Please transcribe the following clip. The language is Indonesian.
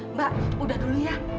mbak udah dulu ya